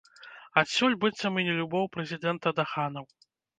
Адсюль, быццам, і нелюбоў прэзідэнта да ханаў.